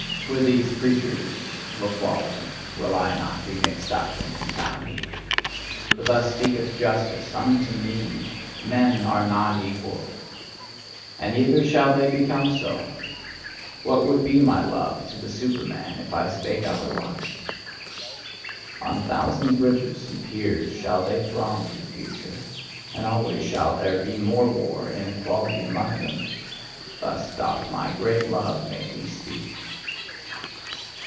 With these preachers of equality will I not be mixed up and confounded. For thus speaketh justice UNTO ME: "Men are not equal." And neither shall they become so! What would be my love to the Superman, if I spake otherwise? On a thousand bridges and piers shall they throng to the future, and always shall there be more war and inequality among them: thus doth my great love make me speak!